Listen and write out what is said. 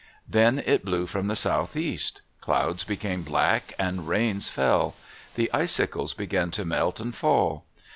Then it blew from the Southeast. Clouds became black and rains fell. The icicles began to melt and fall.